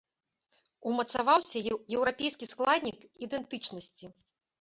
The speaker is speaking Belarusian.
Умацаваўся еўрапейскі складнік ідэнтычнасці.